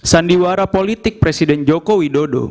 sandiwara politik presiden joko widodo